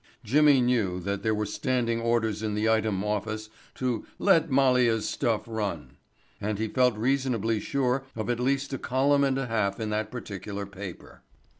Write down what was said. Jimmy knew that there were standing orders in the Item office to "let Malia's stuff run," and he felt reasonably sure of at least a column and half in that particular paper.